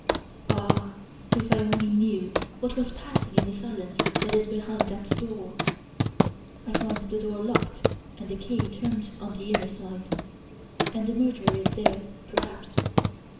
Ah! if I only knew what was passing in the silence that is behind that door! I find the door locked and the key turned on the inner side. And the murderer is there, perhaps.